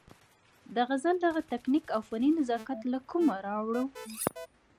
د غزل دغه تکنيک او فني نزاکت له کومه راوړو-